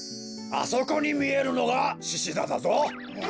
あそこにみえるのがししざだぞ！